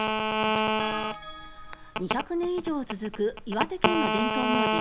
２００年以上続く岩手県の伝統行事